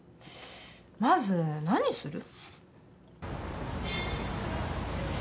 まず何する？